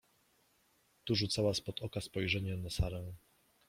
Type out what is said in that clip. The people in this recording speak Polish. — Tu rzucała spod oka spojrzenie na Sarę.